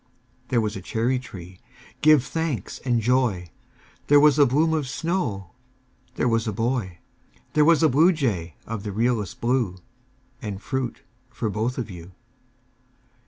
There was a cherry tree, give thanks and joy! There was a bloom of snow There was a boy There was a bluejay of the realest blue And fruit for both of you.